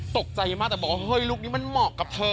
ตกใจมากแต่บอกว่าเฮ้ยลูกนี้มันเหมาะกับเธอ